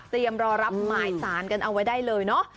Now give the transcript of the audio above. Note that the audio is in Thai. รอรับหมายสารกันเอาไว้ได้เลยเนาะ